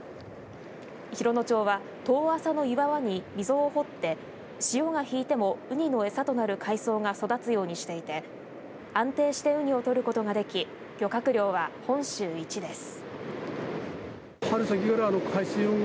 洋野町は遠浅の岩場に溝を掘って潮が引いてもウニの餌となる海草が育つようにしていて安定してウニを取ることができ漁獲量は本州一です。